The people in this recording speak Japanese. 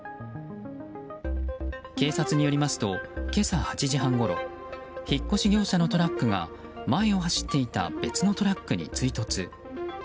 警察によりますと今朝８時半ごろ引っ越し業者のトラックが前を走っていた別のトラックに追突。